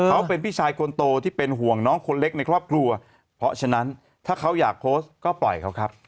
เขาเป็นพี่ชายคนโตที่เป็นห่วงน้องคนเล็กในครอบครัวเพราะฉะนั้นถ้าเขาอยากโพสต์ก็ปล่อยเขาครับ